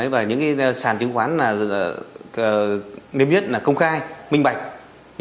và những sàn chứng khoán nếu biết là công khai minh bạch